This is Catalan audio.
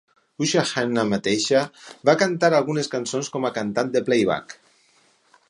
Usha Khanna mateixa va cantar algunes cançons com a cantant de playback.